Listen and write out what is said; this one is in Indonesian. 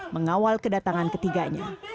mengawal kedatangan ketiganya